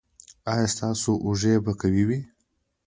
ایا ستاسو اوږې به قوي وي؟